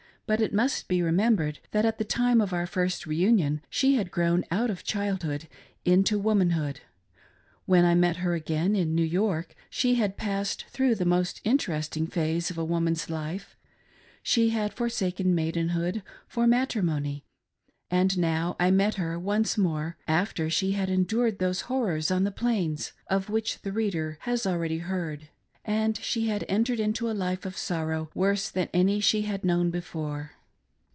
But it must be remembered that at the time of our first reiinion she had grown out of childhood into womanhood; when I met her again in New York she had passed through the most interesting phase of a woman's life, — she had forsaken maidenhood for matrimony, — and now I met her once more after she had endured those horrors on the Plains, — of which the reader has already heard, — and she had entered into a life of sorrow worse than any she had known before.